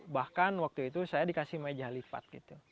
bahkan saya juga diberi meja lipat